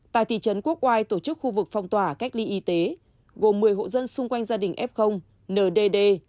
tại thị trấn quốc oai tổ chức khu vực phong tỏa cách ly y tế gồm một mươi hộ dân xung quanh gia đình f ndd